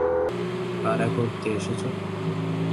ভাড়া করতে এসেছে?